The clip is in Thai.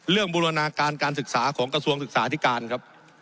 บูรณาการการศึกษาของกระทรวงศึกษาธิการครับ